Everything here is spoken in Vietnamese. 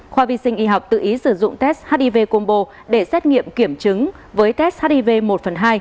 khoa vi sinh y học tự ý sử dụng test hiv combo để xét nghiệm kiểm chứng với test hiv một phần hai